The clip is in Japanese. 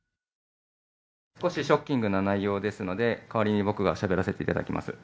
少しショッキングな内容ですので、代わりに僕がしゃべらせていただきます。